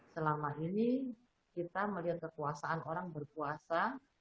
selama ini kita melihat kekuasaan orang berkuasa